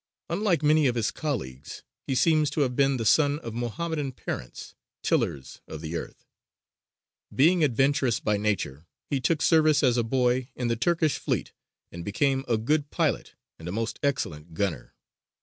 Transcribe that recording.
Unlike many of his colleagues he seems to have been the son of Mohammedan parents, tillers of the earth. Being adventurous by nature, he took service as a boy in the Turkish fleet and became "a good pilot and a most excellent gunner."